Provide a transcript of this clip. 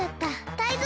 タイゾウ！